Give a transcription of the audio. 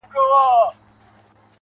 خو نن د زړه له تله.